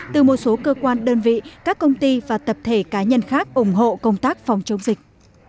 từ một số cơ quan đơn vị các công ty và tập thể cá nhân khác ủng hộ công tác phòng chống dịch